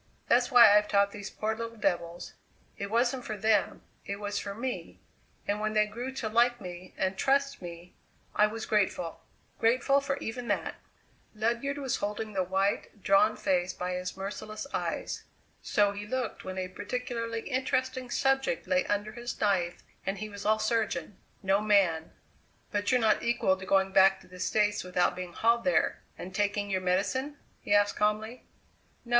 That's why I've taught these poor little devils; it wasn't for them, it was for me; and when they grew to like me and trust me I was grateful. Grateful for even that!" Ledyard was holding the white, drawn face by his merciless eyes. So he looked when a particularly interesting subject lay under his knife and he was all surgeon no man. "But you're not equal to going back to the States without being hauled there and taking your medicine?" he asked calmly. "No.